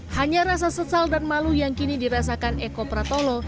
hanya rasa sesal dan malu yang kini dirasakan eko pratolo